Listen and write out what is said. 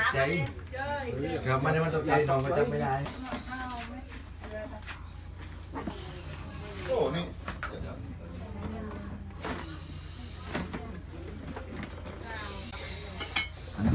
อย่าเกล็ดเห็ด